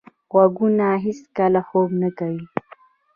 غوږونه هیڅکله خوب نه کوي.